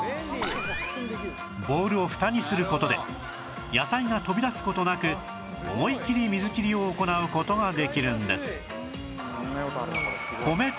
ボウルをフタにする事で野菜が飛び出す事なく思いきり水切りを行う事ができるんです